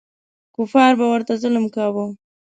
کفار به ورته ظلم کاوه.